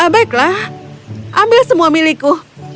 baiklah ambil semua milikku